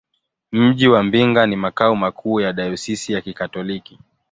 Mji wa Mbinga ni makao makuu ya dayosisi ya Kikatoliki.